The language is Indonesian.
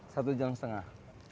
satu jam setengah